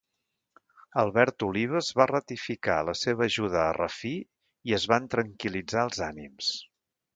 Albert Olives va ratificar la seva ajuda a Rafí i es van tranquil·litzar els ànims.